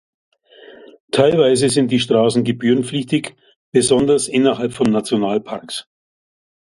Teilweise sind die Straßen gebührenpflichtig, besonders innerhalb von Nationalparks.